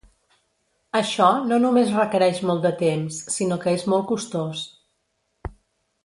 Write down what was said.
Això no només requereix molt de temps, sinó que és molt costós.